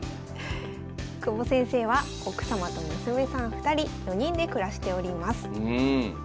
久保先生は奥様と娘さん２人４人で暮らしております。